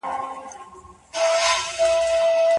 پخوا به پاچاهانو د خلګو سياسي آندونو ته ارزښت نه ورکاوه.